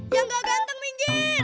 yang gak ganteng minggir